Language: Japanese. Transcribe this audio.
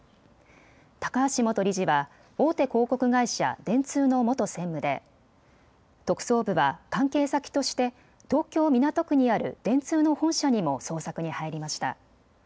高橋元理事は大手広告会社、電通の元専務で特捜部は関係先として東京港区にある電通の本社にも捜索に入りました。